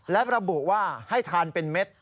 และระบุว่าให้ทานเป็นเม็ด